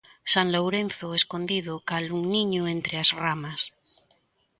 San Lourenzo, o escondido, cal un niño entre as ramas.